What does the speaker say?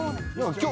今日。